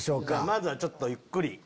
まずはちょっとゆっくり。